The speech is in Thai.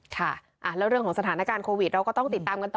ค่ะแล้วเรื่องของสถานการณ์โควิดเราก็ต้องติดตามกันต่อ